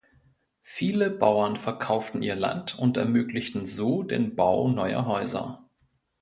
Viele Bauern verkauften ihr Land und ermöglichten so den Bau neuer Häuser.